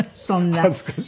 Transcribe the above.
恥ずかしい。